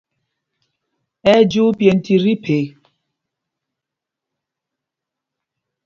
Ɛ́ ɛ́ jyuu pyēnd tit tí phe.